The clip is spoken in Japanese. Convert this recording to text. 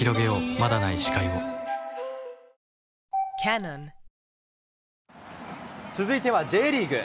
まだない視界を続いてはＪリーグ。